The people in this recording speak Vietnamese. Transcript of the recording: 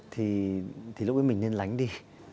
thì lúc ấy mình nên lánh đi